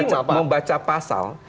ketika membaca pasal